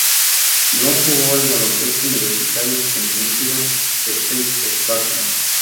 Brown jugó al baloncesto universitario con Michigan State Spartans.